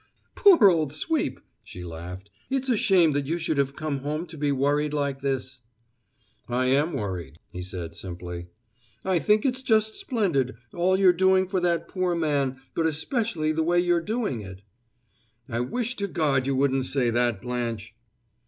"Poor old Sweep!" she laughed. "It's a shame that you should have come home to be worried like this." "I am worried," he said simply. "I think it's just splendid, all you're doing for that poor man, but especially the way you're doing it." "I wish to God you wouldn't say that, Blanche!"